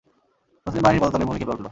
মুসলিম বাহিনীর পদতলের ভূমি কেঁপে উঠল।